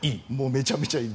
めちゃめちゃいい。